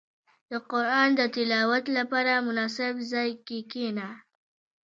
• د قران د تلاوت لپاره، مناسب ځای کې کښېنه.